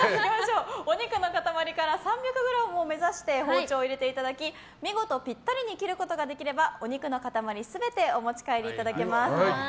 お肉の塊から３００ｇを目指して包丁を入れていただき見事ぴったりに切ることができればお肉の塊全てお持ち帰りいただきます。